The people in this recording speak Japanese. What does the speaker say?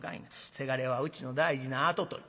せがれはうちの大事な跡取り。